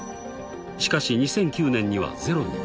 ［しかし２００９年にはゼロに］